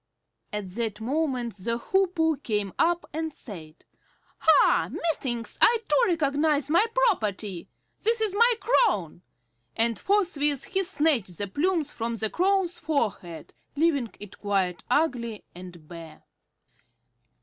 At that moment the Hoopoe came up and said, "Ha! Methinks I too recognize my property. This is my crown," and forthwith he snatched the plumes from the Crow's forehead, leaving it quite ugly and bare.